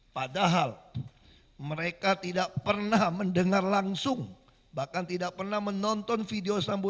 padahal mereka tidak pernah mendengar langsung bahkan tidak pernah menonton video sambu